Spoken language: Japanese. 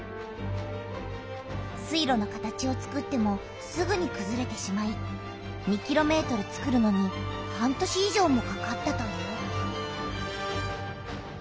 水路の形をつくってもすぐにくずれてしまい２ｋｍつくるのに半年い上もかかったという。